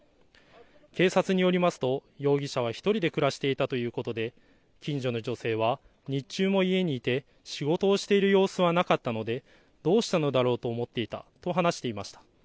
警察によりますと容疑者は１人で暮らしていたということで近所の女性は日中も家にいて仕事をしている様子はなかったので、どうしたのだろうと思っていたと話していました。